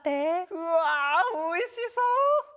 うわおいしそう！